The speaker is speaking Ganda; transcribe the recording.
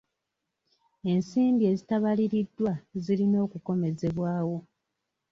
Ensimbi ezitabaliriddwa zirina okukomezebwawo.